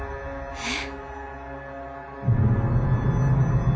えっ！？